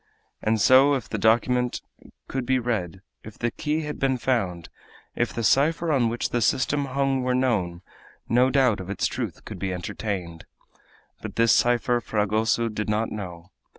And so, if the document could be read, if the key had been found, if the cipher on which the system hung were known, no doubt of its truth could be entertained. But this cipher Fragoso did not know.